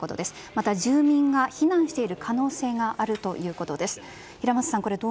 また住民が避難している可能性があるということです。